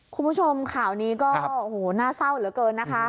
คุณผู้ชมข่าวนี้ก็โอ้โหน่าเศร้าเหลือเกินนะคะ